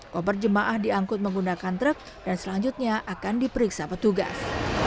koper jemaah diangkut menggunakan truk dan selanjutnya akan diperiksa petugas